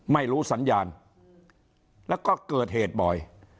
ไม่รู้สัญญาณแล้วก็เกิดเหตุบ่อย